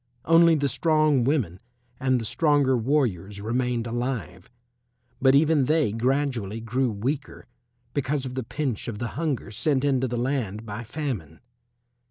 Only the strong women and the stronger warriors remained alive, but even they gradually grew weaker because of the pinch of the hunger sent into the land by famine.